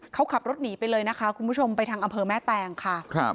เขาขับรถหนีไปเลยนะคะคุณผู้ชมไปทางอำเภอแม่แตงค่ะ